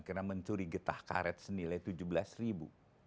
karena mencuri getah karet senilai rp tujuh belas